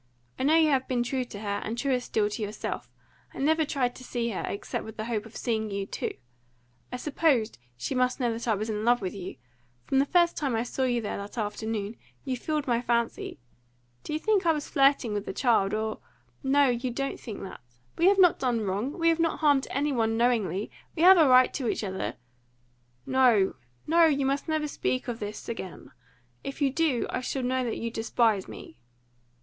I know you have been true to her, and truer still to yourself. I never tried to see her, except with the hope of seeing you too. I supposed she must know that I was in love with you. From the first time I saw you there that afternoon, you filled my fancy. Do you think I was flirting with the child, or no, you don't think that! We have not done wrong. We have not harmed any one knowingly. We have a right to each other " "No! no! you must never speak to me of this again. If you do, I shall know that you despise me."